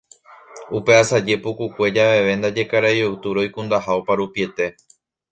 Upe asaje pukukue javeve ndaje Karai Octubre oikundaha oparupiete